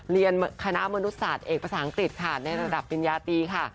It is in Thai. เรียนคณะมนุษศาสตร์เอกภาษาอังกฤษค่ะในระดับปริญญาตีค่ะ